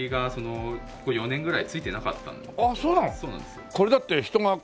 そうなんです。